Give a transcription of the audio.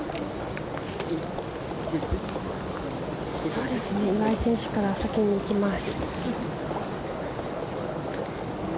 そうですね岩井選手から先にいきます。